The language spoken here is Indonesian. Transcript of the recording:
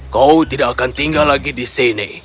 kau tidak akan tinggal lagi di sini